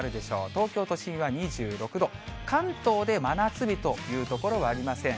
東京都心は２６度、関東で真夏日という所はありません。